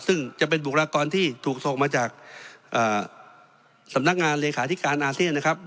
ซึ่งจะเป็นบุคลากรที่ถูกส่งมาจากสำนักงานเลขาธิการอาเซียนนะครับ